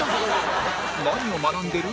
何を学んでる？